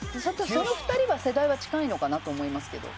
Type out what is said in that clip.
その２人は世代は近いのかなと思いますけど。